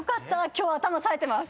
今日頭さえてます。